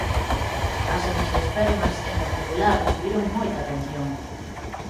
As anxiospermas en particular recibiron moita atención.